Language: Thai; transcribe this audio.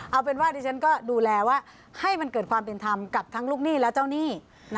เอาเป็นว่าดิฉันก็ดูแลว่าให้มันเกิดความเป็นธรรมกับทั้งลูกหนี้และเจ้าหนี้